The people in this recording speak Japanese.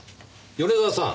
米沢さん。